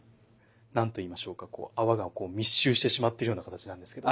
何と言いましょうか泡がこう密集してしまっているような形なんですけども。